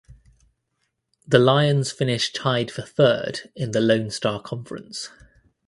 The Lions finished tied for third in the Lone Star Conference.